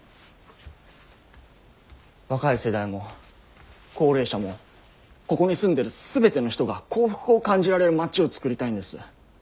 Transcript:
若い世代も高齢者もここに住んでる全ての人が幸福を感じられる街を作りたいんです。